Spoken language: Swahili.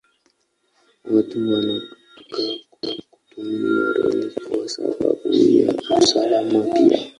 Watu wanataka kutumia reli kwa sababu ya usalama pia.